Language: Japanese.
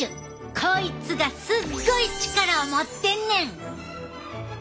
こいつがすっごい力を持ってんねん。